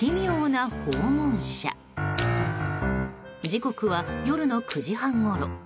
時刻は夜の９時半ごろ。